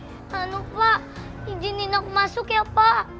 tidak lupa izinin aku masuk ya pak